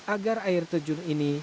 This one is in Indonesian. agar air terjun ini